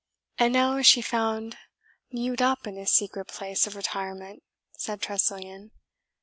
"And now is she found mewed up in his secret place of retirement," said Tressilian.